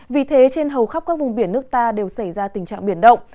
vì thế trên hầu khắp các vùng biển nước ta đều xảy ra tình trạng biển động